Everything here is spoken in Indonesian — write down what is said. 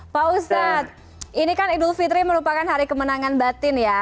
pak ustadz ini kan idul fitri merupakan hari kemenangan batin ya